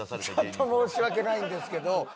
ちょっと申し訳ないんですけど。